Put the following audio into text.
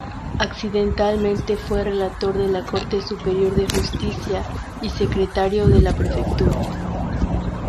Accidentalmente fue relator de la Corte Superior de Justicia y secretario de la prefectura.